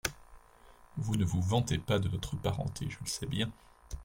Vous ne vous vantez pas de notre parenté, je le sais bien…